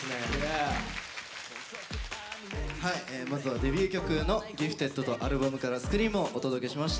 まずはデビュー曲の「Ｇｉｆｔｅｄ．」とアルバムから「Ｓｃｒｅａｍ」をお届けしました。